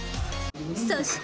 そして。